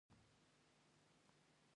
وې ئې چې ميټافزکس نۀ منم -